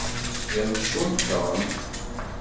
D amcum, Tom.